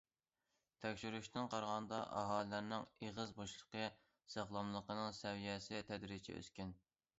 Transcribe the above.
تەكشۈرۈشتىن قارىغاندا، ئاھالىلەرنىڭ ئېغىز بوشلۇقى ساغلاملىقىنىڭ سەۋىيەسى تەدرىجىي ئۆسكەن.